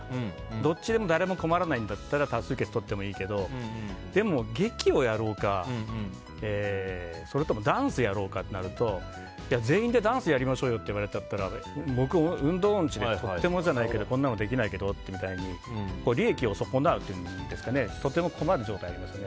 どっちでも誰も困らないなら多数決とってもいいけどでも劇をやろうかそれともダンスをやろうかとなると全員でダンスやりましょうよって言われちゃったら僕、運動音痴でとてもじゃないけどこんなのできないけどみたいに利益を損なうというんですかねとても困る状態になるんですね。